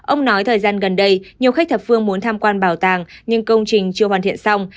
ông nói thời gian gần đây nhiều khách thập phương muốn tham quan bảo tàng nhưng công trình chưa hoàn thiện xong